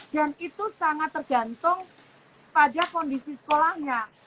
dan itu sangat tergantung pada kondisi sekolahnya